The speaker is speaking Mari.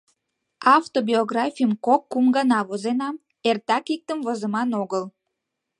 Автобиографийым кок-кум гана возенам, эртак иктым возыман огыл.